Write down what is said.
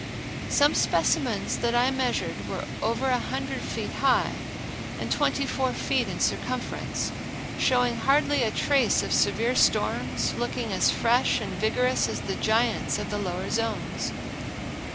Some specimens that I measured were over a hundred feet high and twenty four feet in circumference, showing hardly a trace of severe storms, looking as fresh and vigorous as the giants of the lower zones.